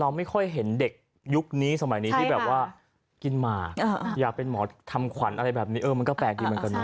ไม่ค่อยเห็นเด็กยุคนี้สมัยนี้ที่แบบว่ากินหมาอยากเป็นหมอทำขวัญอะไรแบบนี้เออมันก็แปลกดีเหมือนกันนะ